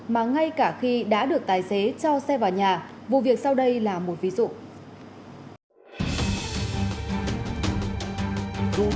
mà ngay cả khi đã được tài xế cho xe vào nhà vụ việc sau đây là một ví dụ